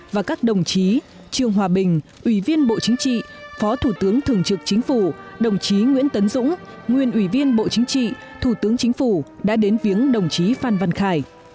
và các đồng chí trương hòa bình ủy viên bộ chính trị phó thủ tướng thường trực chính phủ đồng chí nguyễn tấn dũng nguyên ủy viên bộ chính trị thủ tướng chính phủ đã đến viếng đồng chí phan văn khải